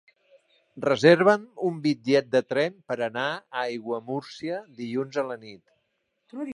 Reserva'm un bitllet de tren per anar a Aiguamúrcia dilluns a la nit.